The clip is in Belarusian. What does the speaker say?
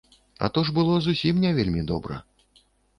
А то ж было зусім не вельмі добра.